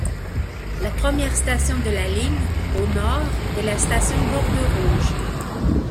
La première station de la ligne, au nord, est la station Borderouge.